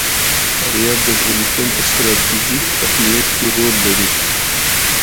فاریاب د افغانستان په ستراتیژیک اهمیت کې رول لري.